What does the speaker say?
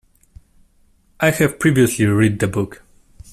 I have previously read the book.